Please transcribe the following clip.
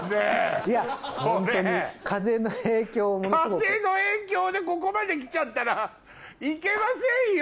風の影響でここまできちゃったら行けませんよ